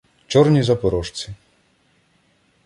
Чорні запорожці.